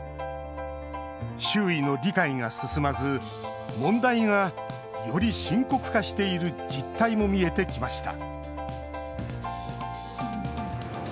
周囲の理解が進まず、問題がより深刻化している実態も見えてきました